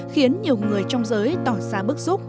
khiến nhiều người trong giới tỏ ra bức xúc